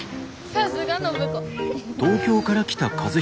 さすが暢子。